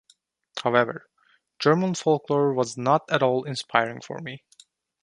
However, German folklore was not at all inspiring for me.